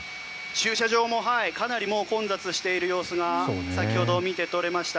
駐車場もかなり混雑している様子が先ほど見て取れました。